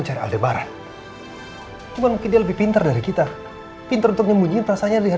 entah adakah malaka atau maha